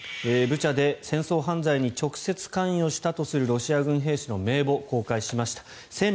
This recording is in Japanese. ブチャで戦争犯罪に直接関与したとするロシア軍兵士の名簿を公開しました。